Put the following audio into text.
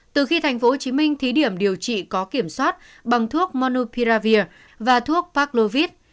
từ khi tp hcm thí điểm điều trị có kiểm soát bằng thuốc monopiravir và thuốc paclovid